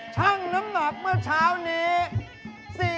ช่างน้ำหนักเมื่อเช้านี้